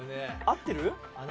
合ってる？